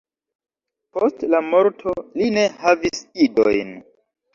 Post la morto li ne havis idojn.